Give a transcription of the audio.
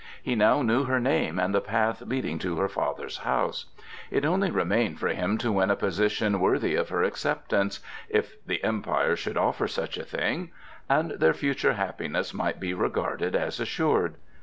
He now knew her name and the path leading to her father's house. It only remained for him to win a position worthy of her acceptance (if the Empire could offer such a thing), and their future happiness might be regarded as assured.